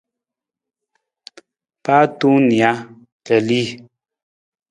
Paa tong nija, ra li.